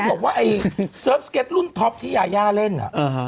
บอกว่าไอ้เสิร์ฟสเก็ตรุ่นท็อปที่ยายาเล่น